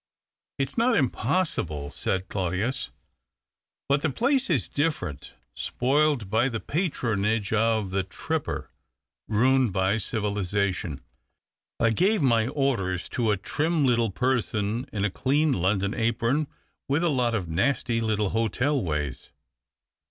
" It's not impossible,"' said Claudius. " But the place is different, spoiled l^y the patronage of tlic tripper — ruined by civiliza tion. I gave my orders to a trim little person in a clean London apron, with a lot of nasty little hotel ways.